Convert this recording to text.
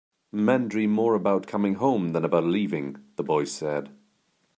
"Men dream more about coming home than about leaving," the boy said.